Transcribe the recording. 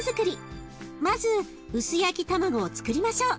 まず薄焼き卵をつくりましょう。